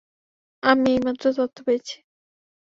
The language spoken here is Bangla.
আমি এইমাত্র তথ্য পেয়েছি।